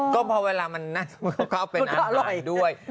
ก็พอเวลามันน่ะเขาก็เอาเป็นอาหารด้วย